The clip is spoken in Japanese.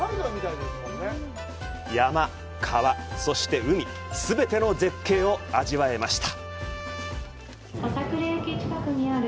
山、川、そして、海、全ての絶景を味わえました。